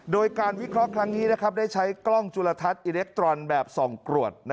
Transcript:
โดยการวิเคราะห์ครั้งนี้ได้ใช้กล้องจุลทัศน์อิเล็กทรอนแบบส่องกรวด